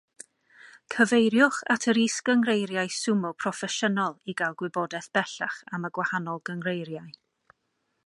Cyfeiriwch at yr is-gynghreiriau sumo Proffesiynol i gael gwybodaeth bellach am y gwahanol gynghreiriau.